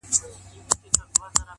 چي ستا به اوس زه هسي ياد هم نه يم’